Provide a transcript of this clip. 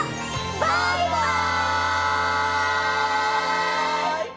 バイバイ！